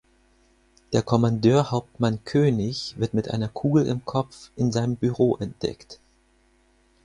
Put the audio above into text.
Der Kommandeur Hauptmann König wird mit einer Kugel im Kopf in seinem Büro entdeckt.